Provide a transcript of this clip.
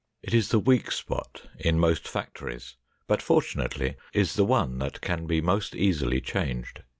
It is the weak spot in most factories, but fortunately is the one that can be most easily changed.